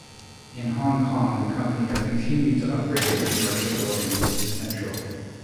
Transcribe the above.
In Hong Kong, the company has continued to upgrade its commercial buildings in Central.